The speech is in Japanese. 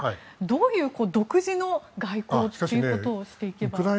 どういう独自の外交ということをしていけばいいんでしょうか。